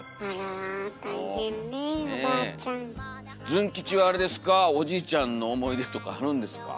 ズン吉はおじいちゃんの思い出とかあるんですか？